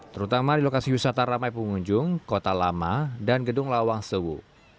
terutama di lokasi wisata ramai pengunjung kota lama dan gedung lawang sewu